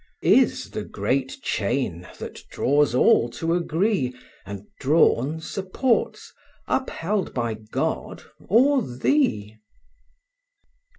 Is the great chain, that draws all to agree, And drawn supports, upheld by God, or thee?